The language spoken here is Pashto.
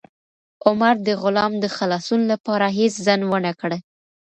عمر د غلام د خلاصون لپاره هیڅ ځنډ ونه کړ.